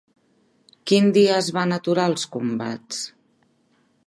Quin dia es van aturar els combats?